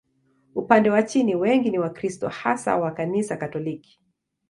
Upande wa dini, wengi ni Wakristo, hasa wa Kanisa Katoliki.